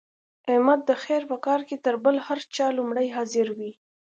احمد د خیر په کار کې تر بل هر چا لومړی حاضر وي.